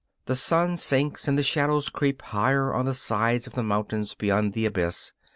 The sun sinks and the shadows creep higher on the sides of the mountains beyond the abyss.